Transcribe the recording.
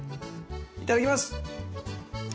いただきます。